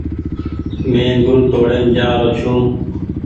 مين گل توڙين جآ رو ڇي۔